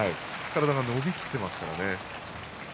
体が伸びきってますからね。